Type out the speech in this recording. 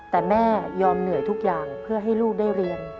แต่แม่ยอมเหนื่อยทุกอย่างเพื่อให้ลูกได้เรียน